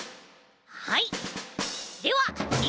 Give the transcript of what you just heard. はい。